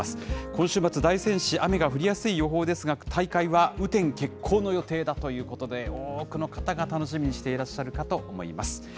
今週末、大仙市、雨が降りやすい予報ですが、大会は雨天決行の予定だということで、多くの方が楽しみにしていらっしゃるかと思います。